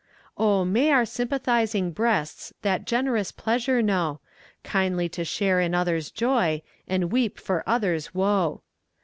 Oh, may our sympathizing breasts That generous pleasure know; Kindly to share in others' joy, And weep for others' woe.